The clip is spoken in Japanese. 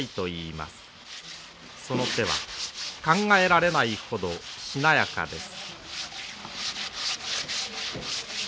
その手は考えられないほどしなやかです。